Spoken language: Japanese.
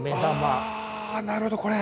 あなるほどこれ。